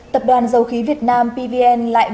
tập đoàn dầu khí việt nam pvn lại vừa